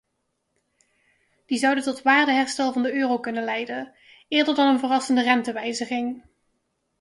Die zouden tot waardeherstel van de euro kunnen leiden, eerder dan een verrassende rentewijziging.